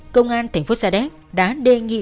công an tp sà đéc đã đề nghị